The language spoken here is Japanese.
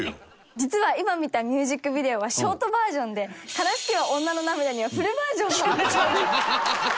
実は今見たミュージックビデオはショートバージョンで『哀しきは女の涙』にはフルバージョンがあるそうです。